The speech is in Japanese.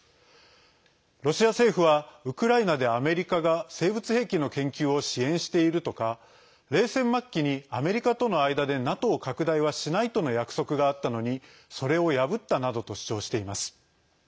ロシア政府はウクライナでアメリカが生物兵器の研究を支援しているとか冷戦末期にアメリカとの間でＮＡＴＯ拡大はしないとの約束があったのにそれを破ったなどと主張しています。